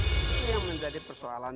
ini yang menjadi persoalan